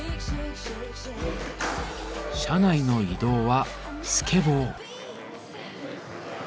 車内の移動はスケボー。